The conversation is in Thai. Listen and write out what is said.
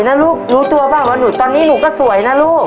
สวยนะลูกน้องพิ้งสวยนะลูกตอนนี้หนูก็สวยนะลูก